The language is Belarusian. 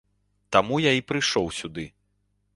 Таму я і прыйшоў сюды.